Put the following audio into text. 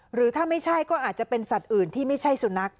หรือถ้าไม่ใช่ก็อาจจะเป็นสัตว์อื่นที่ไม่ใช่สุนัข